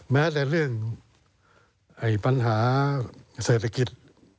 แม้แต่เรื่องปัญหาเศรษฐกิจ